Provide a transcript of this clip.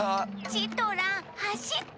チトランはしって！